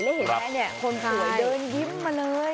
แล้วเห็นไหมเนี่ยคนสวยเดินยิ้มมาเลย